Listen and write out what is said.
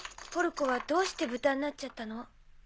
ポルコはどうして豚になっちゃったの？